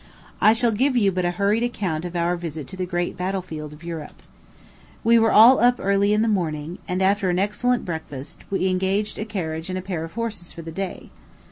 I shall give you but a hurried account of our visit to the great battle field of Europe. We were all up early in the morning, and, after an excellent breakfast, we engaged a carriage and pair of horses for the day.